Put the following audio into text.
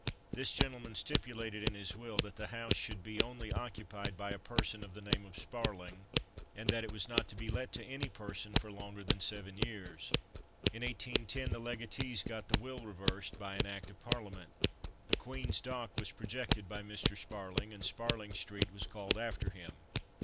This gentleman stipulated in his will that the house should be only occupied by a person of the name of Sparling, and that it was not to be let to any person for longer than seven years. In 1810 the legatees got the will reversed by an act of Parliament. The Queen's Dock was projected by Mr. Sparling, and Sparling Street was called after him.